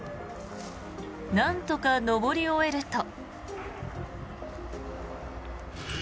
なんとか上り終えると。